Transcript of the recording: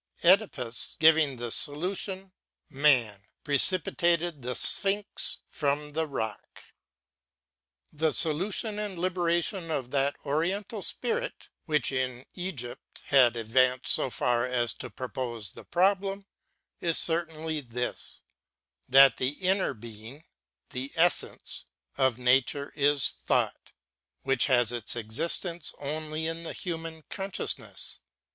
* CEdipus, giving the solution Man, precipitated the Sphinx from the rock. The solution and liberation of that Ori ental Spirit, which in Egypt had advanced so far as to propose the problem, is certainly this: that the Inner Being (the Essence) ji 7176 GEORGE WILLIAM FREDERICK HEGEL of Nature is Thought, which has its existence only in the human consciousness.